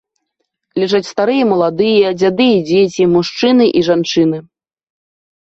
Ляжаць старыя і маладыя, дзяды і дзеці, мужчыны і жанчыны.